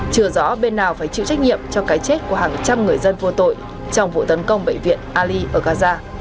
chưa rõ bên nào phải chịu trách nhiệm cho cái chết của hàng trăm người dân vô tội trong vụ tấn công bệnh viện ali ở gaza